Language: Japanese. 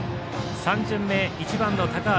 ３巡目、１番の高橋。